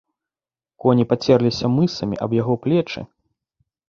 Коні пацерліся мысамі аб яго плечы.